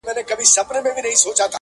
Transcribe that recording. o هغه له میني جوړي پرندې به واپس راسي,,